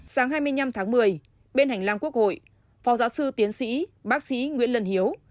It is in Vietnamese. sáng hai mươi năm tháng một mươi bên hành lang quốc hội phó giáo sư tiến sĩ bác sĩ nguyễn lân hiếu